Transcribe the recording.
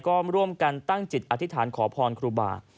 ก็ร่วมกันตั้งจิตอธิษฐานขอพรครูบา